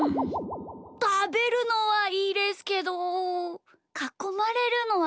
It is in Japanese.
たべるのはいいですけどかこまれるのはいやです。